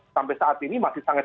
sampai saat ini masih sangat